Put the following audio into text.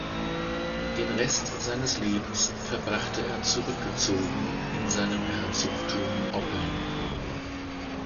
Den Rest seines Lebens verbrachte er zurückgezogen in seinem Herzogtum Oppeln.